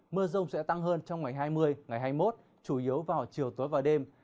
mưa rông sẽ tăng hơn trong ngày hai mươi ngày hai mươi một chủ yếu vào chiều tối và đêm